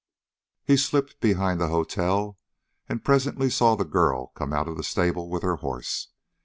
He slipped behind the hotel and presently saw the girl come out of the stable with her horse.